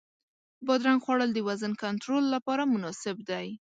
بادرنګ خوړل د وزن کنټرول لپاره مناسب دی.